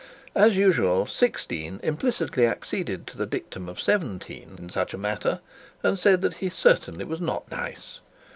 As usual, sixteen implicitly acceded to the dictum of seventeen in such a matter, and said that he certainly was not nice.